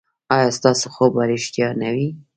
ایا ستاسو خوب به ریښتیا نه وي؟